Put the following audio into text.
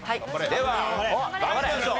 では参りましょう。